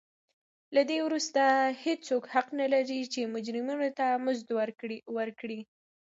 له دې وروسته هېڅوک حق نه لري چې مجرمینو ته مزد ورکړي.